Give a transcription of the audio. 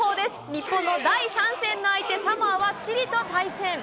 日本の第３戦の相手、サモアはチリと対戦。